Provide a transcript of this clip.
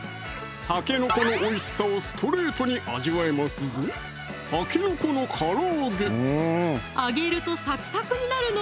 たけのこのおいしさをストレートに味わえますぞ揚げるとサクサクになるの？